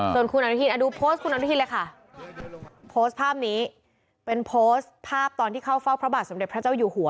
ส่วนคุณอนุทินดูโพสต์คุณอนุทินเลยค่ะโพสต์ภาพนี้เป็นโพสต์ภาพตอนที่เข้าเฝ้าพระบาทสมเด็จพระเจ้าอยู่หัว